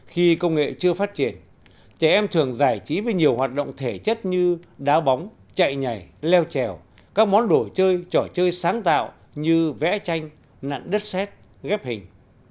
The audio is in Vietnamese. khi công nghệ chưa phát triển trẻ em thường giải trí với nhiều hoạt động thể chất như đá bóng chạy nhảy leo trèo các món đồ chơi trò chơi sáng tạo như vẽ tranh nặn đất xét ghép hình